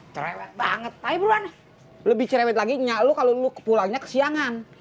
cerewet banget tapi berubah nih lebih cerewet lagi nyalu kalau pulangnya kesiangan